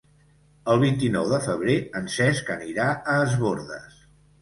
El vint-i-nou de febrer en Cesc anirà a Es Bòrdes.